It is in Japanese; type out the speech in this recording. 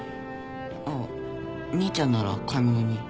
あっ兄ちゃんなら買い物に。